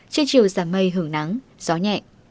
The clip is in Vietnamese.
trên chiều giảm mây hưởng nắng gió nhẹ